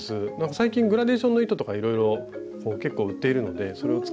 最近グラデーションの糸とかいろいろ結構売っているのでそれを使って。